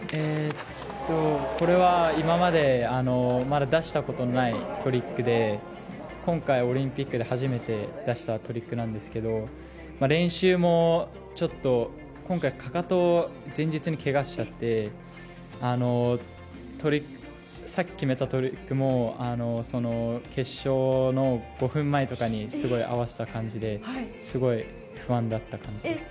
これは今までまだ出したことのないトリックで今回オリンピックで初めて出したトリックなんですけど練習もちょっと今回かかとを前日に、けがしちゃってさっき決めたトリックも決勝の５分前とかにすごい合わせた感じですごい不安だった感じです。